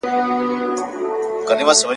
چي به پورته د غوايی سولې رمباړي ..